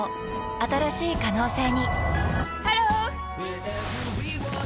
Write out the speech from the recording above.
新しい可能性にハロー！